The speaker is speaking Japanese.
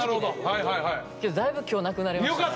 けどだいぶ今日なくなりましたね。